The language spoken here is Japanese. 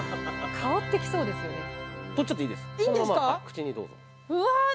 香ってきそうですよね